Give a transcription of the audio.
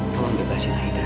tolong bebasin aida